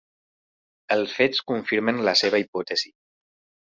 Els fets confirmen la seva hipòtesi.